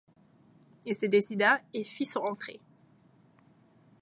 Il se décida, et fit son entrée.